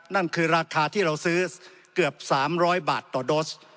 นั่นคือราคาที่เราซื้อเกือบ๓๐๐บาทต่อโดส